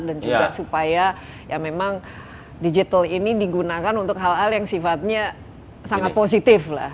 dan juga supaya ya memang digital ini digunakan untuk hal hal yang sifatnya sangat positif lah